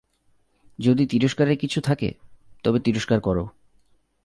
যদি তিরস্কারের কিছু থাকে, তবে তিরস্কার করো।